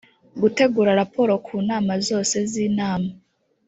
gutegura raporo ku nama zose z inama